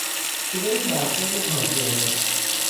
صدای برخورد تازیانه